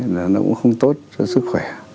nó cũng không tốt cho sức khỏe